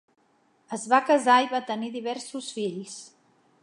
Es va casar i va tenir diversos fills.